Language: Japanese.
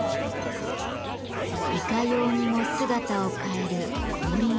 いかようにも姿を変える氷の芸術。